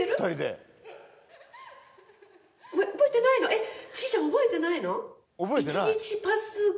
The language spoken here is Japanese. えっちーちゃん覚えてないの？